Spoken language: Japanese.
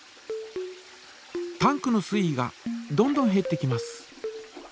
タンクの水位がどんどんへってきます。